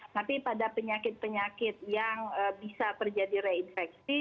tapi pada penyakit penyakit yang bisa terjadi reinfeksi